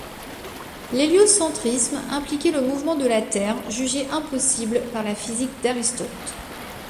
L'héliocentrisme impliquait le mouvement de la Terre, jugé impossible par la physique d'Aristote.